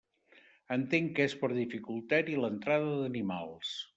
Entenc que és per dificultar-hi l'entrada d'animals.